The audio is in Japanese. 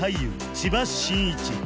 千葉真一